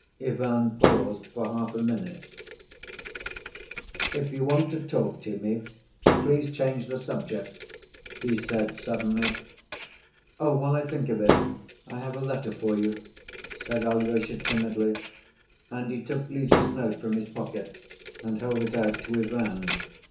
Ivan paused for half a minute. "If you want to talk to me, please change the subject," he said suddenly. "Oh, while I think of it, I have a letter for you," said Alyosha timidly, and he took Lise's note from his pocket and held it out to Ivan.